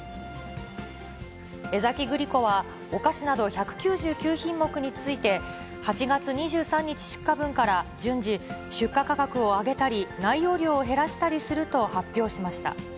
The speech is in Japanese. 江崎グリコは、お菓子など１９９品目について、８月２３日出荷分から順次、出荷価格を上げたり、内容量を減らしたりすると発表しました。